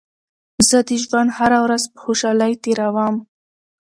زه د ژوند هره ورځ په خوشحالۍ تېروم.